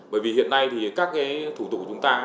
bởi vì hiện nay thì các cái thủ tục của chúng ta